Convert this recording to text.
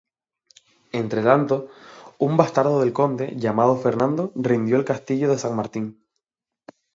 Entretanto, un bastardo del conde, llamado Fernando, rindió el castillo de San Martín.